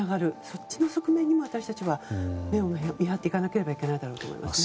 そっちの側面にも私たちは目を見張っていかないといけないだろうと思います。